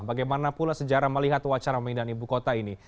bagaimana pula sejarah melihat wacana pemindahan ibu kota ini